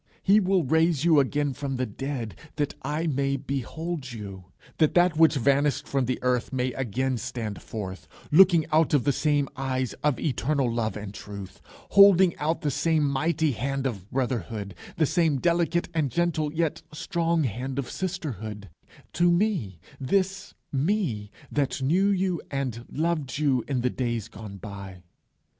He will raise you from the dead, that I may behold you; that that which vanished from the earth may again stand forth, looking out of the same eyes of eternal love and truth, holding out the same mighty hand of brotherhood, the same delicate and gentle, yet strong hand of sisterhood, to me, this me that knew you and loved you in the days gone by.